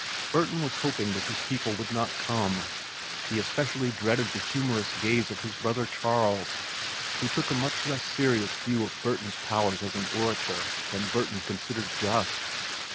Burton was hoping that his people would not come, he especially dreaded the humorous gaze of his brother Charles who took a much less serious view of Burton's powers as an orator than Burton considered just.